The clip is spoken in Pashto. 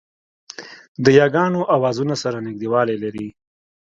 د یاګانو آوازونه سره نږدېوالی لري